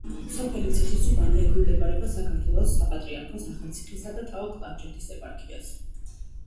სოფელი ციხისუბანი ექვემდებარება საქართველოს საპატრიარქოს ახალციხისა და ტაო-კლარჯეთის ეპარქიას.